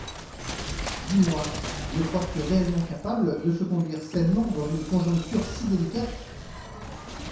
Dis-moi, le crois-tu réellement capable de se conduire sainement dans une conjoncture si délicate ?